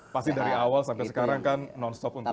pasti dari awal sampai sekarang kan non stop untuk